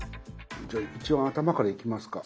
じゃあ一番頭からいきますか。